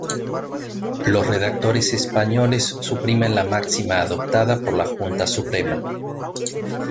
Los redactores españoles suprimen la máxima adoptada por la Junta Suprema.